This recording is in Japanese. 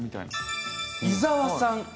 伊沢さん